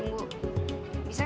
terus kita harus ke sana